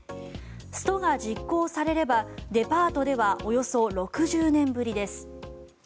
ストが実行されればデパートではおよそ６０年ぶりです。